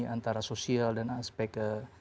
antara sosial dan aspek